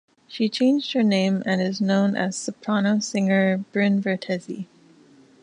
She changed her name and is known as soprano singer Bryn Vertesi.